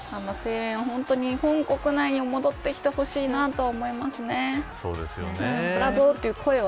日本国内に戻ってきてほしいなと思いますね、声援が。